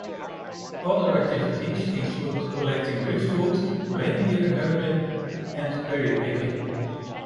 Other activities include collecting driftwood, reindeer herding, and berrypicking.